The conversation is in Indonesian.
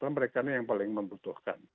mereka ini yang paling membutuhkan